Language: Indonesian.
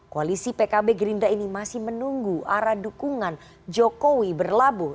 koalisi pkb gerindra ini masih menunggu arah dukungan jokowi berlabuh